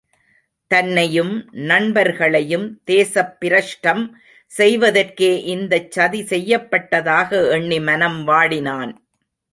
தன்னையும் நண்பர்களையும் தேசப்பிரஷ்டம் செய்வதற்கே இந்தச்சதி செய்யப்பட்டதாக எண்ணி, மனம் வாடினான்.